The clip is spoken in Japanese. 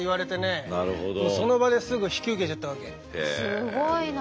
すごいな。